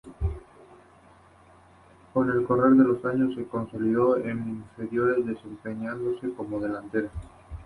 Con el correr de los años, se consolidó en inferiores desempeñándose como delantera.